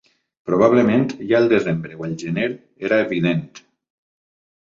Probablement ja el desembre o el gener era evident